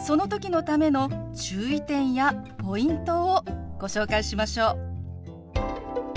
その時のための注意点やポイントをご紹介しましょう！